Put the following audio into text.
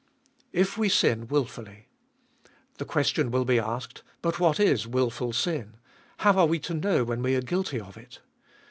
If we sin wilfully. The question will be asked, But what is wilful sin? How are we to know when we are guilty of it?